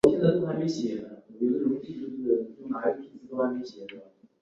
所有模型都是图灵等价的。